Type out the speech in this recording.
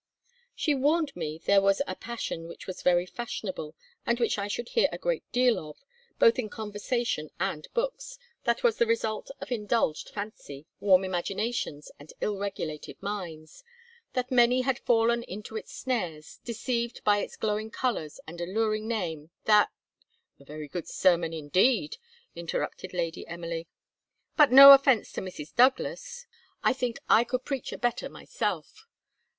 "She warned me there was a passion which was very fashionable, and which I should hear a great deal of, both in conversation and books, that was the result of indulged fancy, warm imaginations, and ill regulated minds; that many had fallen into its snares, deceived by its glowing colours and alluring name; that " "A very good sermon, indeed!" interrupted Lady Emily; "but, no offence to Mrs. Douglas, I think I could preach a better myself.